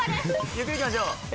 ゆっくりいきましょう。